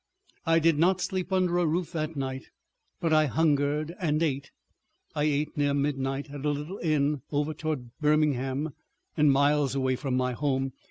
I did not sleep under a roof that night. But I hungered and ate. I ate near midnight at a little inn over toward Birmingham, and miles away from my home.